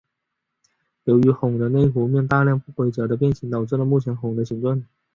由于拱的内弧面大量不规则的变形导致了目前拱的形状。